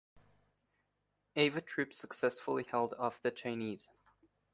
Ava troops successfully held off the Chinese.